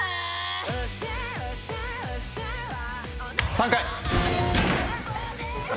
３回。